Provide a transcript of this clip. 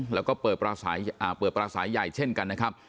แล้วก็เปิดปลาสายใหญ่เช่นกันนะครับ